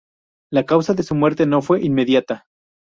La causa de su muerte no fue inmediata.